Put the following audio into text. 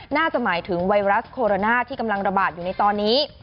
น่าจะหมายถึงไวรัสโคโรนาที่กำลังระบาดอยู่ในตอนนี้